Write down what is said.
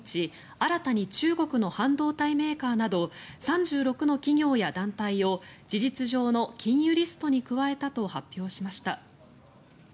新たに中国の半導体メーカーなど３６の企業や団体を事実上の禁輸リストに加えたと発表しました。